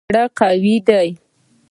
زړه قوي دی.